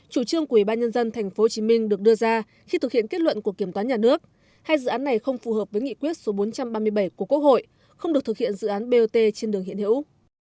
chủ trương của ủy ban nhân dân tp hcm được đưa ra khi thực hiện kết luận của kiểm toán nhà nước hai dự án này không phù hợp với nghị quyết số bốn trăm ba mươi bảy của quốc hội không được thực hiện dự án bot trên đường hiện hữu